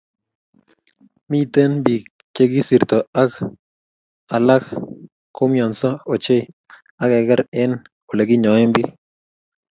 miten biik chegisirto, ak alak koumianso ochei ak keger eng oleginyoen biik